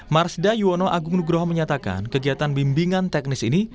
marsda yuwono agung nugroho menyatakan kegiatan bimbingan teknis ini